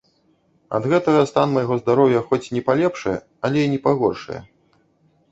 Ад гэтага стан майго здароўя хоць не палепшае, але і не пагоршае.